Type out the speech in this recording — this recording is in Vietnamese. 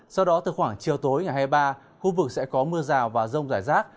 sau đó từ khoảng chiều tối ngày hai mươi ba khu vực sẽ có mưa rào và rông rải rác